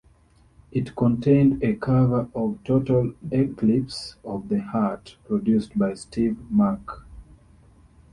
It contained a cover of "Total Eclipse of the Heart", produced by Steve Mac.